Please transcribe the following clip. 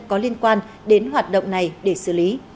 có liên quan đến hoạt động này để xử lý